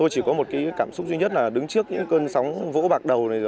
tôi chỉ có một cái cảm xúc duy nhất là đứng trước những cơn sóng vỗ bạc đầu này